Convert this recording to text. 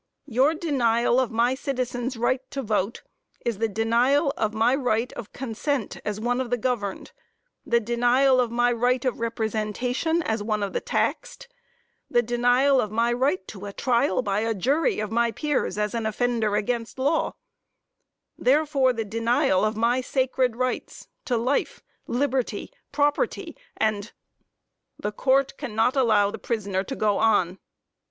Your denial of my citizen's right to vote, is the denial of my right of consent as one of the governed, the denial of my right of representation as one of the taxed, the denial of my right to a trial by a jury of my peers, as an offender against law, therefore, the denial of my sacred rights to life, liberty, property and JUDGE HUNT The Court cannot allow the prisoner to go on.